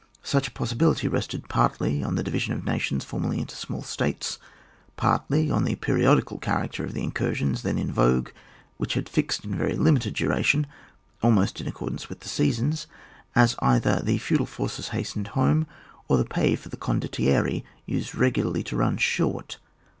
Such a possi bility rested partly on the division of na tions formerly into small states, partly on the periodical character of the incur sions then in vogue, which had fixed and very limited duration, almost in accordance with the seasons, as either the feudal forces hastened home, or the pay for the condottieri used regularly to run short.